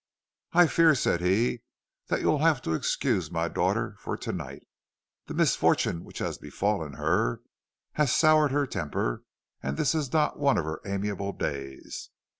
"'I fear,' said he, 'that you will have to excuse my daughter for to night. The misfortune which has befallen her has soured her temper, and this is not one of her amiable days.'